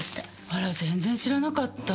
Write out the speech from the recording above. あら全然知らなかった。